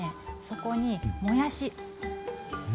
そこにもやし。